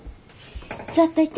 座っといて。